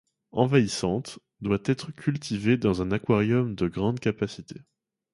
Envahissante, doit être cultivée dans un aquarium de grande capacité.